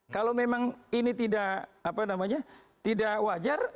kalau memang ini tidak wajar